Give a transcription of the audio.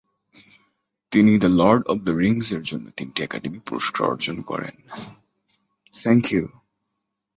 তিনি "the lord of the রিংস"-ের জন্য তিনটি একাডেমি পুরস্কার অর্জন করেন।